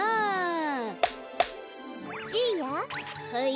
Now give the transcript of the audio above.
はい？